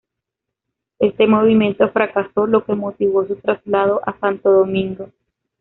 Este movimiento fracasó, lo que motivó su traslado a Santo Domingo.